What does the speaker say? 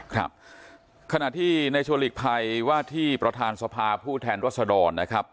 ครับขณะที่ในชัวหลีกภัยว่าที่ประธานสภาผู้แทนรัศดรนะครับ